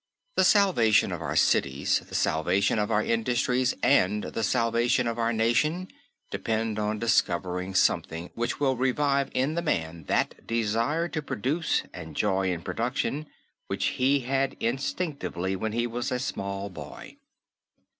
The salvation of our cities, the salvation of our industries and the salvation of our nation depend on discovering something which will revive in man that desire to produce and joy in production which he had instinctively when he was a small boy.